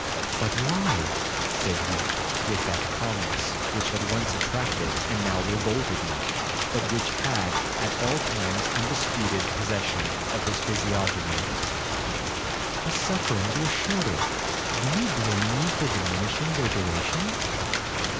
—'But why?'—said he, with that calmness which had once attracted, and now revolted me, but which had at all times undisputed possession of his physiognomy;—'his sufferings were shorter, do you blame me for diminishing their duration?'